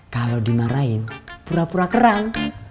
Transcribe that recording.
kalau dimarahin pura pura kerang